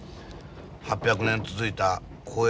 ８００年続いた興園